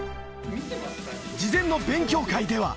事前の勉強会では。